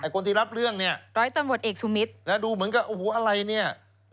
คนที่รับเรื่องเนี่ยร้อยตำรวจเอกสุมิตรนะดูเหมือนกับโอ้โหอะไรเนี่ย